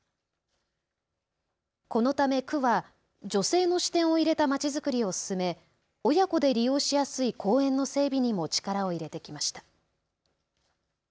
このため区は女性の視点を入れたまちづくりを進め親子で利用しやすい公園の整備にも力を入れてきました。